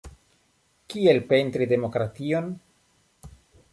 Kiel pentri demokration?